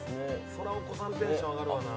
そらお子さんテンション上がるわな